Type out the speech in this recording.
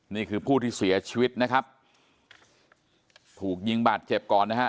นี่คือผู้ที่เสียชีวิตนะครับถูกยิงบาดเจ็บก่อนนะฮะ